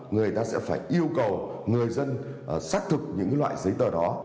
người ta sẽ phải yêu cầu người dân xác thực những loại giấy tờ đó